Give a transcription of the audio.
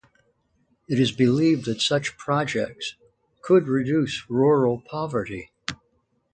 It is believed that such projects could reduce rural poverty.